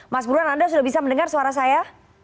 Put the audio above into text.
mas burhan anda sudah bisa mendengar suara saya